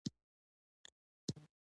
• ځینې نومونه د وفادارۍ نښه ده.